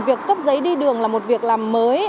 việc cấp giấy đi đường là một việc làm mới